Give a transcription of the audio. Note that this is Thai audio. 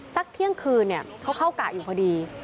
สักเที่ยงคืนเขาเข้ากะอยู่พอดี